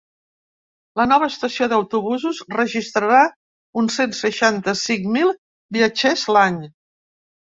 La nova estació d’autobusos registrarà uns cent seixanta-cinc mil viatgers l’any.